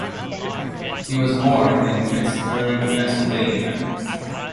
He was born in Pittsburgh, Pennsylvania.